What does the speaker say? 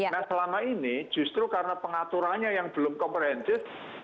nah selama ini justru karena pengaturannya yang belum komprehensif